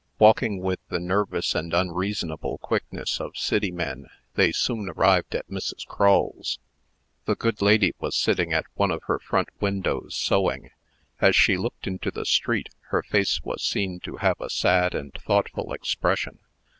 Walking with the nervous and unreasonable quickness of city men, they soon arrived at Mrs. Grail's. The good lady was sitting at one of her front windows, sewing. As she looked into the street, her face was seen to have a sad and thoughtful expression.